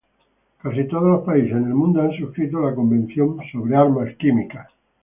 Casi todos los países en el mundo han suscrito la Convención sobre armas químicas.